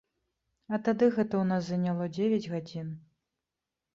А тады гэта ў нас заняло дзевяць гадзін.